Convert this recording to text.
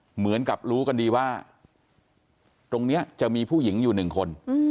เหมือนกับรู้กันดีว่าตรงนี้จะมีผู้หญิงอยู่หนึ่งคน